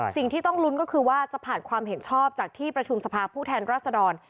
สิ่งที่ต้องลุ้นก็คือว่าจะผ่านความเห็นชอบจากที่ประชุมสภาพผู้แทนรัศดร